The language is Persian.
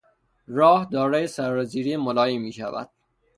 راه دارای سرازیری ملایمی میشود.